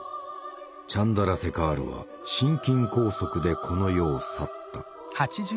チャンドラセカールは心筋梗塞でこの世を去った。